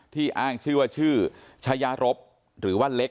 อ้างชื่อว่าชื่อชายารบหรือว่าเล็ก